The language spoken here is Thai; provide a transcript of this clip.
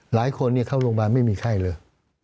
หลายคนเข้าโรงพยาบาลไม่มีไข้เลย